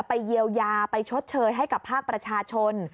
ไปเยียวยาไปชดเชยให้กับภาคประชาชน